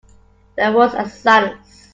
There was a silence.